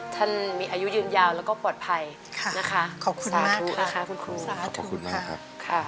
ท่านมีอายุยืนยาวและก็ปลอดภัยคับคุณมาก